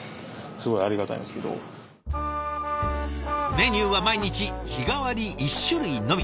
メニューは毎日日替わり１種類のみ。